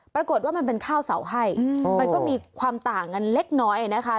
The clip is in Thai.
ปรากฏว่ามันเป็นข้าวเสาให้มันก็มีความต่างกันเล็กน้อยนะคะ